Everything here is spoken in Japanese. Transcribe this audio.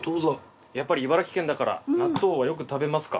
やっぱり茨城県だから納豆はよく食べますか？